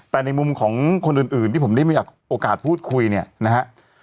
แต่ในมุมของคนอื่นที่ผมได้มีโอกาสพูดคุยเนี่ยนะฮะ